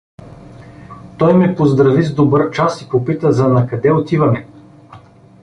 Той ме поздрави с добър час и попита за на къде отиваме.